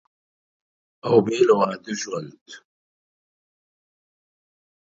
او بېله واده ژوند